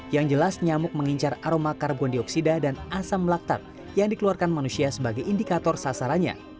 yang jelas nyamuk mengincar aroma karbon dioksida dan asam laktat yang dikeluarkan manusia sebagai indikator sasarannya